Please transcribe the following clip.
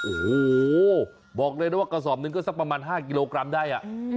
โอ้โหบอกเลยนะว่ากระสอบหนึ่งก็สักประมาณ๕กิโลกรัมได้